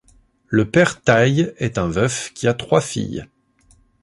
Le Père Taille est un veuf qui a trois filles.